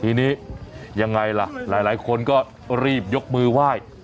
ทีนี้ยังไงล่ะหลายคนก็รีบยกมือไหว้